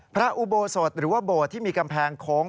พระอุโบสถหรือว่าโบสถ์ที่มีกำแพงโค้ง